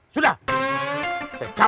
siap siap apat